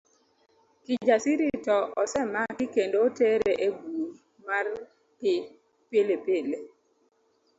Kijasiri to osemaki kendo otere e bur mar pi Pilipili.